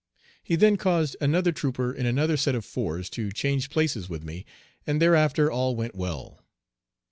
He then caused another trooper in another set of fours to change places with me, and thereafter all went well.